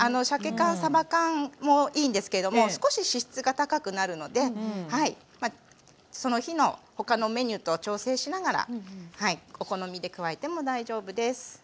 しゃけ缶さば缶もいいんですけれども少し脂質が高くなるのでその日のほかのメニューと調整しながらお好みで加えても大丈夫です。